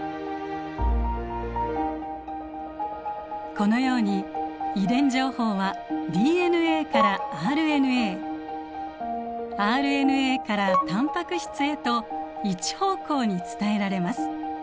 このように遺伝情報はＤＮＡからＲＮＡＲＮＡからタンパク質へと一方向に伝えられます。